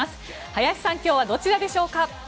林さん今日はどちらでしょうか？